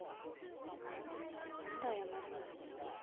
何で謝るの？